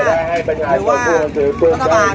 สวัสดีครับทุกคนวันนี้เกิดขึ้นเกิดขึ้นทุกวันนี้นะครับ